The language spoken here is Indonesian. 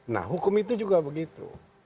nah hukum itu juga begitu